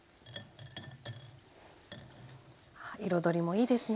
彩りもいいですね。